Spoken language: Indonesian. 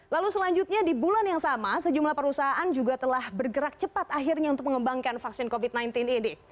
lalu selanjutnya di bulan yang sama sejumlah perusahaan juga telah bergerak cepat akhirnya untuk mengembangkan vaksin covid sembilan belas ini